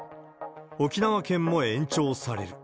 沖縄県も延長される。